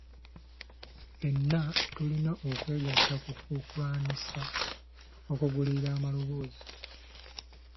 Ffenna tulina okwegatta ku kulwanyisa okugulirira abalonzi.